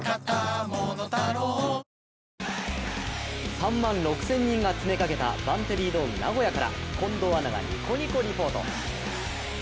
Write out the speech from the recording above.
３万６０００人が詰めかけたバンテリンドームナゴヤから近藤アナがニコニコリポート。